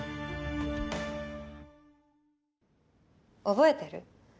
覚えてる？